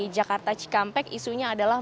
jakarta cikampek isunya adalah